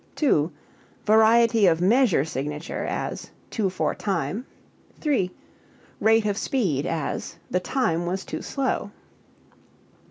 (2) Variety of measure signature; as "two four time." (3) Rate of speed; as "the time was too slow."